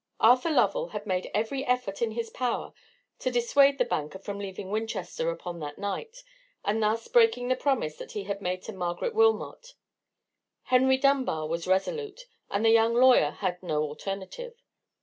Arthur Lovell had made every effort in his power to dissuade the banker from leaving Winchester upon that night, and thus breaking the promise that he had made to Margaret Wilmot. Henry Dunbar was resolute; and the young lawyer had no alternative.